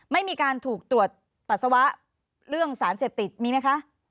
ไม่มีการถูกตรวจปัสสาวะเรื่องสารเสพติดมีไหมคะ